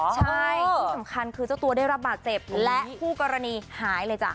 ใช่ที่สำคัญคือเจ้าตัวได้รับบาดเจ็บและคู่กรณีหายเลยจ้ะ